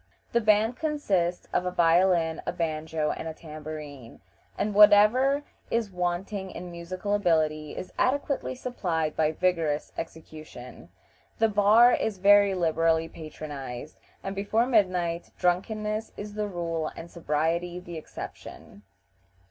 The band consists of a violin, a banjo, and a tambourine, and whatever is wanting in musical ability is adequately supplied by vigorous execution. The bar is very liberally patronized, and before midnight drunkenness is the rule and sobriety the exception.